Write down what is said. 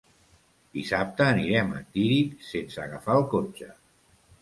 Dissabte anirem a Tírig sense agafar el cotxe.